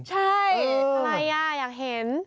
ใช่อะไรอ่ะอยากเห็น